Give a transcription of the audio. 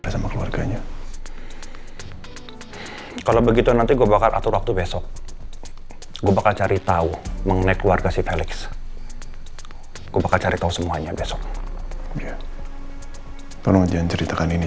sampai jumpa di video selanjutnya